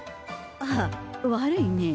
ああ悪いね。